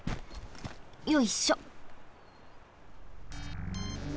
よいしょ。